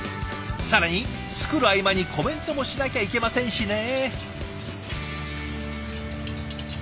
更に作る合間にコメントもしなきゃいけませんしね。